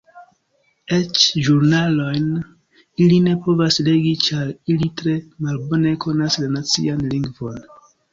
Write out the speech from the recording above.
Eĉ ĵurnalojn ili ne povas legi ĉar ili tre malbone konas la nacian lingvon.